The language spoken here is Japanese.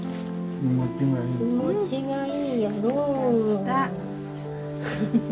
気持ちがいいやろう？